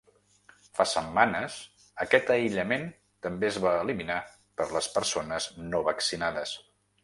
Fa setmanes aquest aïllament també es va eliminar per les persones no vaccinades.